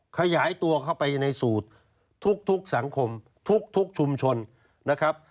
ขยายตัวเข้าไปในสูตรทุกสังคมทุกชุมชนนะครับ